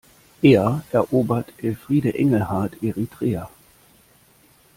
Eher erobert Elfriede Engelhart Eritrea!